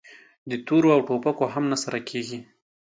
د تورو او ټوپکو هم نه سره کېږي!